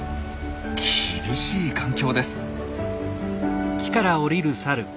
厳しい環境です。